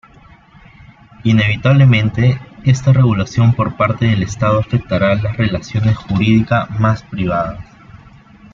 Inevitablemente, esta regulación por parte del Estado afectará las relaciones jurídicas más privadas.